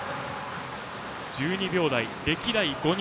１２秒台は歴代５人。